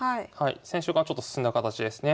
先週からちょっと進んだ形ですね。